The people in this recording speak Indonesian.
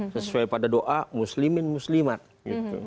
sesuai pada doa muslimin muslimat gitu